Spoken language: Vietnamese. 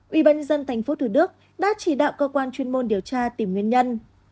ubnd tp hcm đã chỉ đạo cơ quan chuyên môn điều tra tìm nguyên nhân